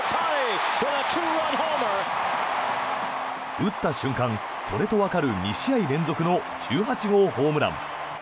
打った瞬間、それとわかる２試合連続の１８号ホームラン。